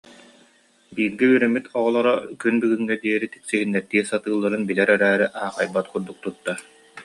Бииргэ үөрэммит оҕолоро күн бүгүҥҥэ диэри тиксиһиннэртии сатыылларын билэр эрээри, аахайбат курдук туттар